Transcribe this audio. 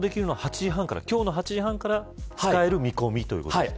今日の８時半から使える見込みということですね。